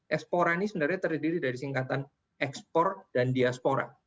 expora ini sebenarnya terdiri dari singkatan export dan diaspora